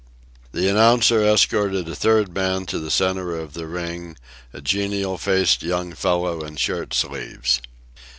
The announcer escorted a third man to the centre of the ring, a genial faced young fellow in shirt sleeves.